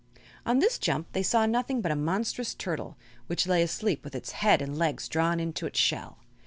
On this jump they saw nothing but a monstrous turtle, which lay asleep with its head and legs drawn into its shell.